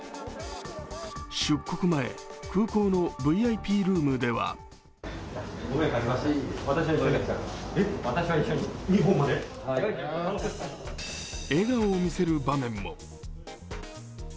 出国前、空港のＶＩＰルームでは笑顔を見せる場面も。